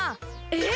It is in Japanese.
えっ！？